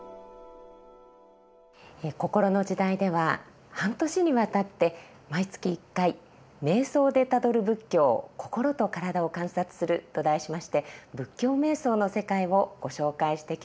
「こころの時代」では半年にわたって毎月１回「瞑想でたどる仏教心と身体を観察する」と題しまして仏教瞑想の世界をご紹介してきました。